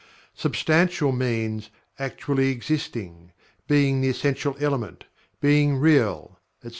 "Substantial" means: "actually existing; being the essential element; being real," etc.